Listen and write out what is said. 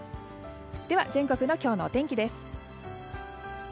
全国の今日のお天気です。